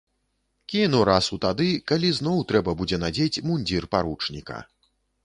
Кіну расу тады, калі зноў трэба будзе надзець мундзір паручніка.